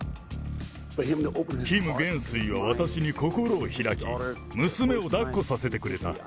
キム元帥は私に心を開き、娘をだっこさせてくれた。